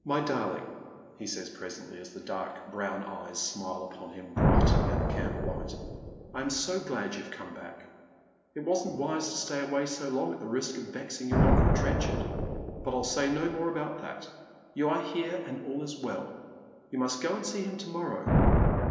" My darling," he says presently, as the dark brown eyes smile upon him, brightening in the candlelight, " I am so glad j^ou've come back. It wasn't wise to stay away so long at the risk of vexing your uncle Trenchard : but I'll say no more about that. You are here, and all is well. You must go and see him to morrow.